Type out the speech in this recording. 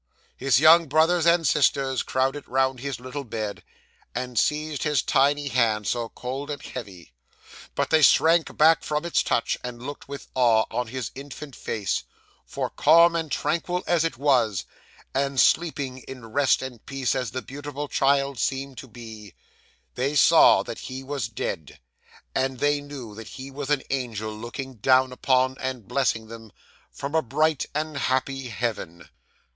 His young brothers and sisters crowded round his little bed, and seized his tiny hand, so cold and heavy; but they shrank back from its touch, and looked with awe on his infant face; for calm and tranquil as it was, and sleeping in rest and peace as the beautiful child seemed to be, they saw that he was dead, and they knew that he was an angel looking down upon, and blessing them, from a bright and happy Heaven.